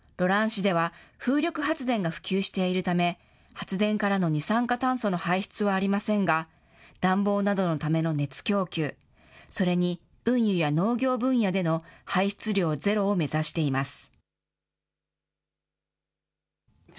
市では、風力発電が普及しているため、発電からの二酸化炭素の排出はありませんが、暖房などのための熱供給、それに、運輸や農業分野での排出量ゼロを目指しています。